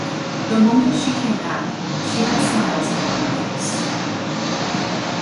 The moment she came back, she had smiles all over her face.